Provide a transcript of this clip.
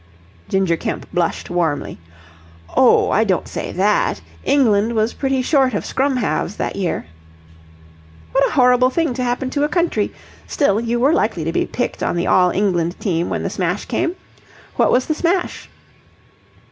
Ginger Kemp blushed warmly. "Oh, I don't say that. England was pretty short of scrum halves that year." "What a horrible thing to happen to a country! Still, you were likely to be picked on the All England team when the smash came? What was the smash?"